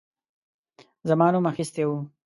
زما نوم اخیستی وو.